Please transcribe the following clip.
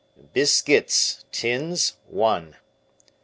"Biscuits, tins, one."